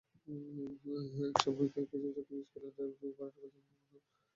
একসময় শুধু শখের বশে স্কুলের নেটওয়ার্কের বারোটা বাজানো পোর্টনয় এখন পুরোদস্তুর পেশাদার।